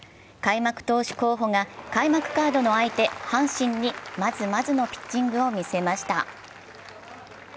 開幕投手候補が開幕カードの相手、阪神にまずまずのピッチングを見せました。